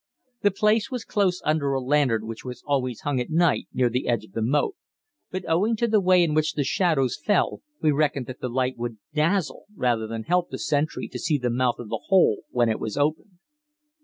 The place was close under a lantern which was always hung at night near the edge of the moat, but owing to the way in which the shadows fell we reckoned that the light would dazzle rather than help the sentry to see the mouth of the hole when it was opened.